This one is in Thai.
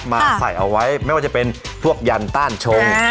มาใส่เอาไว้ไม่ว่าจะเป็นพวกยันต้านชง